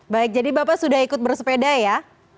baik jadi bapak sudah ikut bersepeda ya